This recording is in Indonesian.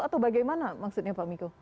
atau bagaimana maksudnya pak miko